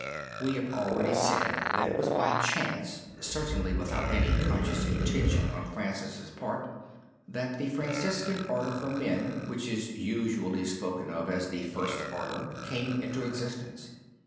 We have already said that it was by chance, certainly without any conscious intention on Francis' part that the Franciscan order for men which is usually spoken of as the First Order came into existence.